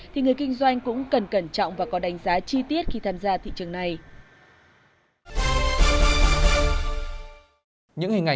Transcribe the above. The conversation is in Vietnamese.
thì người kinh doanh cũng cần cẩn trọng và có đánh giá chi tiết khi tham gia thị trường này